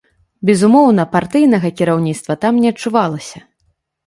Безумоўна, партыйнага кіраўніцтва там не адчувалася.